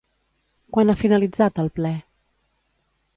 Quan ha finalitzat el ple?